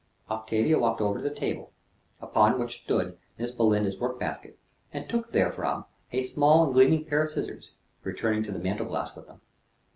Octavia walked over to the table, upon which stood Miss Belinda's work basket, and took therefrom a small and gleaming pair of scissors, returning to the mantle glass with them.